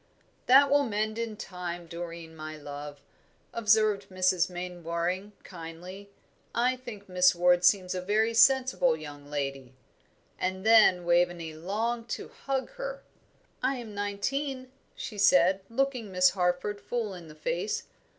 "That will mend in time, Doreen, my love," observed Mrs. Mainwaring, kindly. "I think Miss Ward seems a very sensible young lady." And then Waveney longed to hug her. "I am nineteen," she said, looking Miss Harford full in the face.